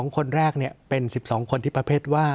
๒คนแรกเป็น๑๒คนที่ประเภทว่า